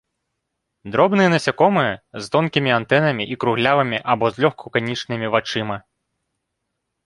Дробныя насякомыя з тонкімі антэнамі і круглявымі або злёгку канічнымі вачыма.